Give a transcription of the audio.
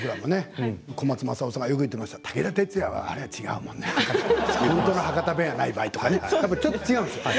僕らも小松政夫さんが言っていました武田鉄矢は違うもんねって地元の博多弁じゃないばいとちょっと違うんですよ。